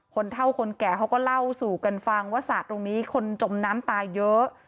เท่าคนแก่เขาก็เล่าสู่กันฟังว่าศาสตร์ตรงนี้คนจมน้ำตายเยอะ